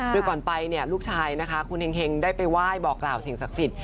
โดยก่อนไปลูกชายคุณแห่งได้ไปไหว้บอกกล่าวเฉียงศักดิ์สิทธิ์